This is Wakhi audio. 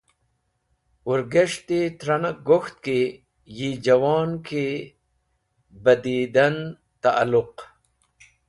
Wũrges̃hti tra nag gok̃ht ki yi jawon ki bah didan ta’luq.